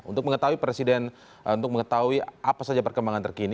untuk mengetahui presiden untuk mengetahui apa saja perkembangan terkini